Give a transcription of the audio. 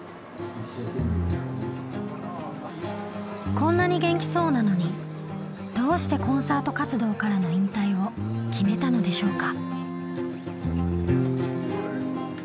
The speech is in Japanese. こんなに元気そうなのにどうしてコンサート活動からの引退を決めたのでしょうか？